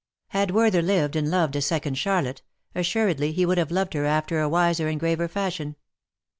^I^ d Werther lived and loved a second Charlotte, assuredly he would have loved her after a wiser and graver fashion.